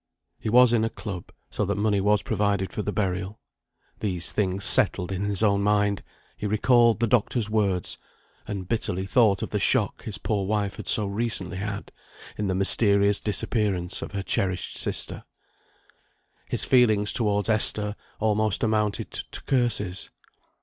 He was in a club, so that money was provided for the burial. These things settled in his own mind, he recalled the doctor's words, and bitterly thought of the shock his poor wife had so recently had, in the mysterious disappearance of her cherished sister. His feelings towards Esther almost amounted to curses.